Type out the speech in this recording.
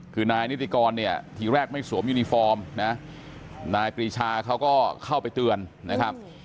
คือนายนิติกรเนี่ยทีแรกไม่สวมยูนิฟอร์มนะนายปรีชาเขาก็เข้าไปเตือนนะครับ